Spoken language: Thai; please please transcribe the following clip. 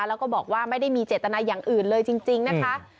แล้วก็บอกว่าไม่ได้มีเจตนาอย่างอื่นเลยจริงนะคะ